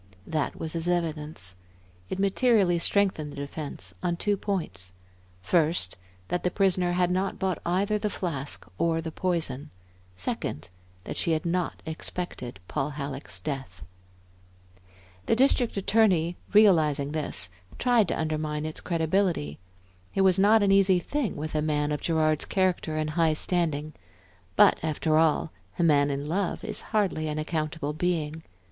That was his evidence. It materially strengthened the defence on two points; first, that the prisoner had not bought either the flask or the poison; second, that she had not expected Paul Halleck's death. The District Attorney, realizing this, tried to undermine its credibility. It was not an easy thing with a man of Gerard's character and high standing; but after all, a man in love is hardly an accountable being.